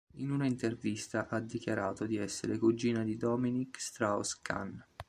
In una intervista ha dichiarato di essere cugina di Dominique Strauss-Kahn.